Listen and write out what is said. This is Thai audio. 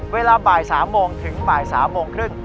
เวลาบ่าย๓โมงถึงบ่าย๓โมงครึ่ง